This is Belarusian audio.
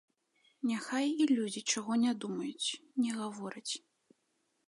Няхай і людзі чаго не думаюць, не гавораць.